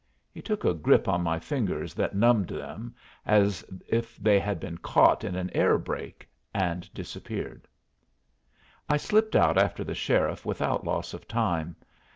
He took a grip on my fingers that numbed them as if they had been caught in an air brake, and disappeared. I slipped out after the sheriff without loss of time.